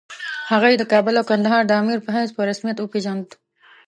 هغه یې د کابل او کندهار د امیر په حیث په رسمیت وپېژاند.